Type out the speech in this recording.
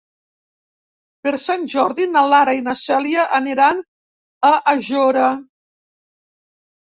Per Sant Jordi na Lara i na Cèlia aniran a Aiora.